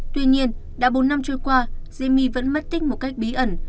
tuy nhiên đã bốn năm trôi qua diễm my vẫn mất tích một cách bí ẩn